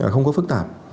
không có phức tạp